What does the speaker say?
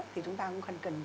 thì chúng ta cũng cần chế đội